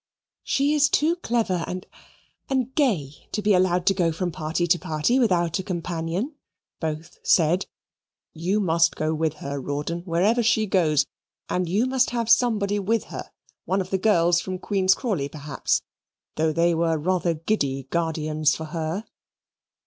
"She is too clever and and gay to be allowed to go from party to party without a companion," both said. "You must go with her, Rawdon, wherever she goes, and you must have somebody with her one of the girls from Queen's Crawley, perhaps, though they were rather giddy guardians for her."